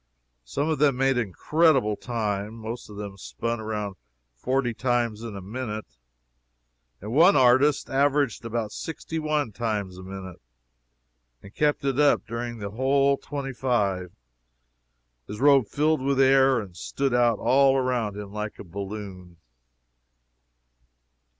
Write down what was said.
Some of them made incredible "time." Most of them spun around forty times in a minute, and one artist averaged about sixty one times a minute, and kept it up during the whole twenty five. His robe filled with air and stood out all around him like a balloon.